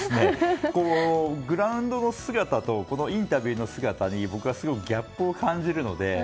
グラウンドの姿とインタビューの姿に僕はすごくギャップを感じるので。